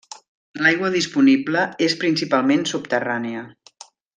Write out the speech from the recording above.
L'aigua disponible és principalment subterrània.